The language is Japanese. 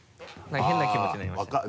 何か変な気持ちになりました。